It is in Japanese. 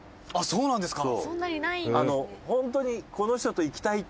「そうなんですか？